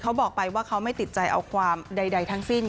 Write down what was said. เขาบอกไปว่าเขาไม่ติดใจเอาความใดทั้งสิ้น